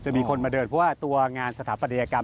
มีคนมาเดินเพราะว่าตัวงานสถาปัตยกรรม